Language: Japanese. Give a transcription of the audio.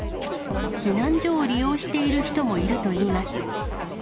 避難所を利用している人もいるといいます。